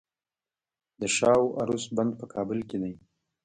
د شاه و عروس بند په کابل کې دی